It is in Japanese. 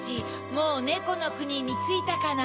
もうねこのくにについたかな？